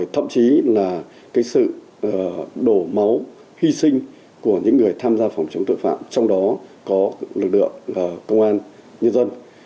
thậm chí là sự đổ máu hy sinh của những người tham gia phòng chống tội phạm trong đó có lực lượng công an nhân dân